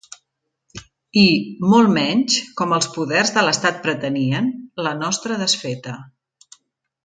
I, molt menys, com els poders de l’estat pretenien, la nostra desfeta.